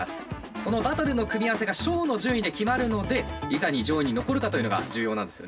そのバトルの組み合わせがショーの順位で決まるのでいかに上位に残るかというのが重要なんですよね。